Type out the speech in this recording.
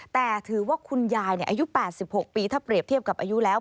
แต่ถือว่าคุณยายอายุ๘๖ปีถ้าเปรียบเทียบกับอายุแล้ว